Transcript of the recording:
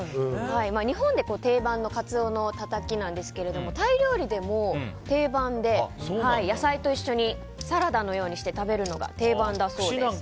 日本で定番のカツオのたたきなんですがタイ料理でも定番で野菜と一緒にサラダのようにして食べるのが定番だそうです。